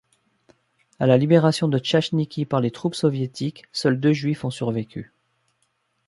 À la libération de Tchachniki par les troupes soviétiques, seuls deux Juifs ont survécu.